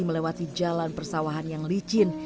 melewati jalan persawahan yang licin